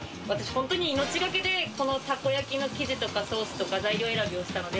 本当に命懸けで海たこ焼き生地とかソースとか材料選びをしたので。